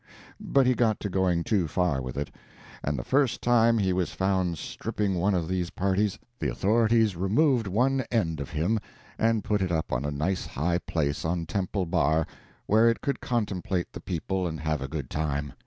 But he got to going too far with it; and the first time he was found stripping one of these parties, the authorities removed one end of him, and put it up on a nice high place on Temple Bar, where it could contemplate the people and have a good time.